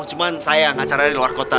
cuman sayang acara di luar kota